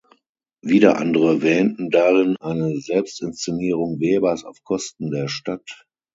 Wieder andere wähnten darin eine Selbstinszenierung Webers auf Kosten der Stadt.